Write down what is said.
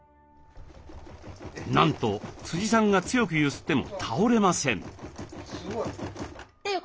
なんとさんが強く揺すっても倒れません。